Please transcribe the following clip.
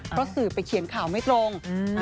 เพราะสื่อไปเขียนข่าวไม่ตรง